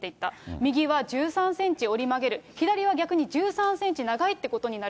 右は１３センチ折り曲げる、左は逆に１３センチ長いってことになる。